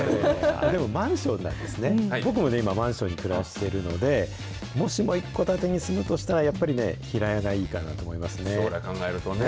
でもマンションだと、僕も今マンションに暮らしているので、もしも一戸建てに住むとしたら、やっぱりね、平屋がいいかなと思将来考えるとね。